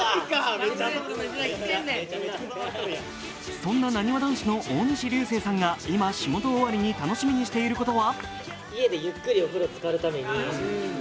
そんな、なにわ男子の大西流星さんが今、仕事終わりに楽しみにしていることは？